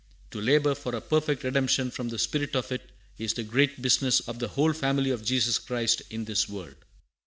To labor for a perfect redemption from the spirit of it is the great business of the whole family of Jesus Christ in this world."